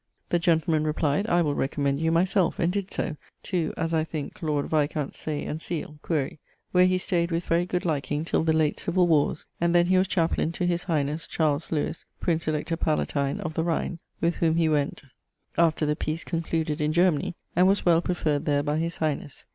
The gentleman replied, 'I will recommend you myselfe,' and did so, to (as I thinke) lord viscount Say and Seale (quaere), where he stayed with very good likeing till the late civill warres, and then he was chaplain to his highnesse Prince Elector Palatine of the Rhine, with whom he went (after the peace[CI.] concluded in Germany), and was well preferred there by his highnesse.